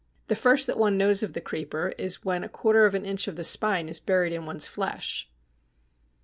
The first that one knows of the creeper is when a quarter of an inch of the spine is buried in one's flesh.